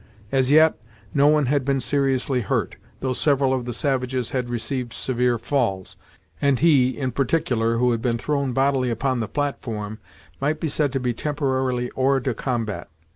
As yet, no one had been seriously hurt, though several of the savages had received severe falls, and he, in particular, who had been thrown bodily upon the platform, might be said to be temporarily hors de combat.